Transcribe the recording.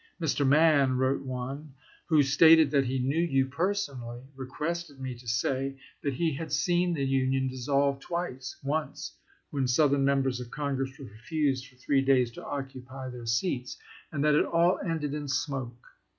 " Mr. Mann," wrote one, " who stated that he knew you personally, requested me to say that he had seen the Union dissolved twice — once when Southern Members of Congress refused for three days to occupy their seats — and that it all ended in smoke.